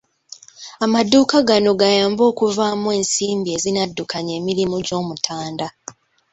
Amaduuka gano gayambe okuvaamu ensimbi ezinaddukanya emirimu gy'Omutanda